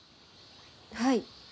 はい。